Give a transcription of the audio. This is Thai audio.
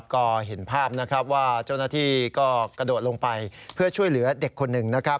ก็เห็นภาพนะครับว่าเจ้าหน้าที่ก็กระโดดลงไปเพื่อช่วยเหลือเด็กคนหนึ่งนะครับ